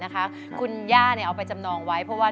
คุณย่าเอาไปจำนองไว้เพราะว่า